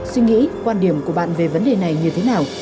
suy nghĩ quan điểm của bạn về vấn đề này như thế nào